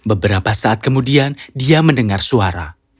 beberapa saat kemudian dia mendengar suara